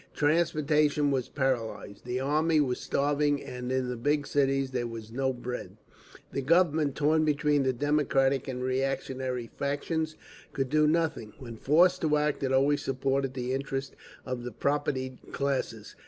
Transportation was paralysed; the army was starving and in the big cities there was no bread. The Government, torn between the democratic and reactionary factions, could do nothing: when forced to act it always supported the interests of the propertied classes.